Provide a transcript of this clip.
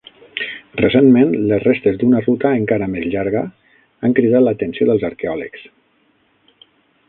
Recentment, les restes d'una ruta encara més llarga han cridat l'atenció dels arqueòlegs.